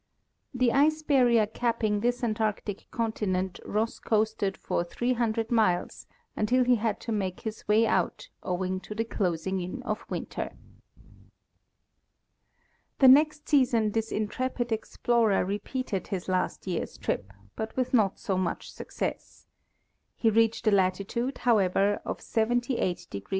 The ice barrier capping this Antarctic conti nent Ross coasted for 500 miles, until he had to make his way out, owing to the closing in of winter. The next season this intrepid explorer repeated his last year's trip, but with not so much success. He reached a latitude, how ever, of 78° 10'S.